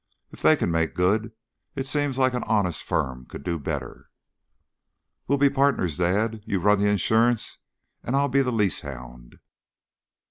If they can make good, it seems like an honest firm could do better." "We'll be partners, dad. You run the insurance and I'll be the lease hound."